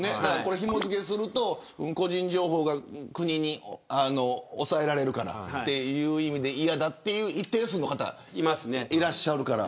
ひも付けすると個人情報が国に抑えられるからという意味で嫌だという一定数の方いらっしゃるから。